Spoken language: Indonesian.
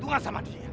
tunggu sama dia